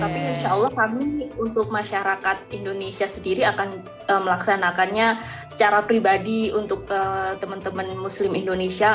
tapi insya allah kami untuk masyarakat indonesia sendiri akan melaksanakannya secara pribadi untuk teman teman muslim indonesia